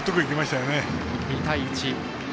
２対１。